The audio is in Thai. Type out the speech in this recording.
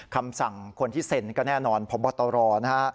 คำสั่งคนที่เซ็นก็แน่นอนพบตรนะฮะ